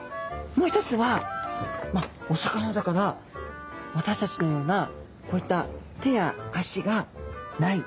もう一つはまあお魚だから私たちのようなこういった手や足がない。